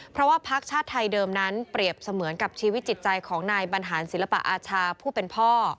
เพราะว่าพักชาติไทยเดิมนั้นเปรียบเสมือนกับชีวิตจิตใจของนายบรรหารศิลปะอาชาผู้เป็นพ่อ